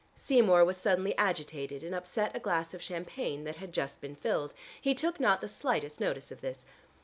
Seymour was suddenly agitated and upset a glass of champagne that had just been filled. He took not the slightest notice of this.